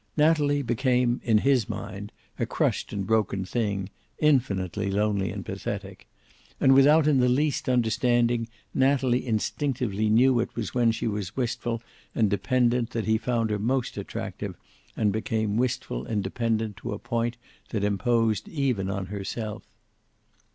Natalie became, in his mind, a crushed and broken thing, infinitely lonely and pathetic. And, without in the least understanding, Natalie instinctively knew it was when she was wistful and dependent that he found her most attractive, and became wistful and dependent to a point that imposed even on herself.